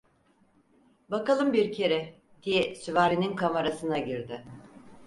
"Bakalım bir kere…" diye süvarinin kamarasına girdi.